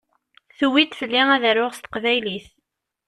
Tuwi-d fell-i ad aruɣ s teqbaylit.